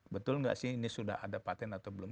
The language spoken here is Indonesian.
betul nggak sih ini sudah ada patent atau belum